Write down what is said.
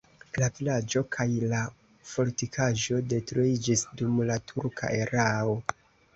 La vilaĝo kaj la fortikaĵo detruiĝis dum la turka erao.